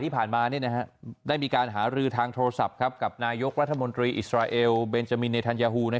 ผ่านทางโทรศัพท์ของนายกวัฒนบนมนตรีอิสราเอลเป็นจมินเนธันยาฮู